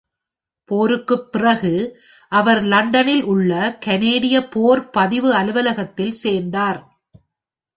போருக்குப் பிறகு அவர் லண்டனில் உள்ள கனேடிய போர் பதிவு அலுவலகத்தில் சேர்ந்தார்.